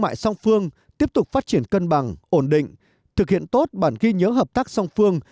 mại song phương tiếp tục phát triển cân bằng ổn định thực hiện tốt bản ghi nhớ hợp tác song phương